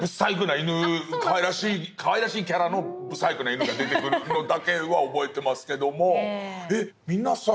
かわいらしいキャラの不細工な犬が出てくるのだけは覚えてますけどもえっ皆さん